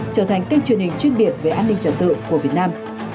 trở thành kênh truyền hình chuyên biệt về an ninh trật tự của việt nam